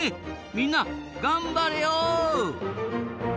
みんな頑張れよ！